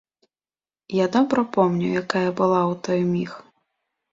Я добра помню, якая была ў той міг.